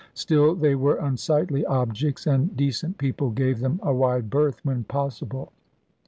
Still they were unsightly objects; and decent people gave them a wide berth, when possible.